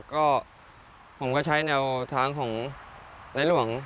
รู้สึกซับซึ้งครับบางอย่างก็ผมก็ใช้แนวทางของในหลวง